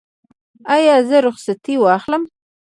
ایا زه رخصتي واخلم؟